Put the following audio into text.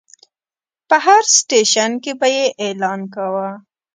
په هر سټیشن کې به یې اعلان کاوه.